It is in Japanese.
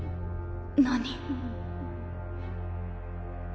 何？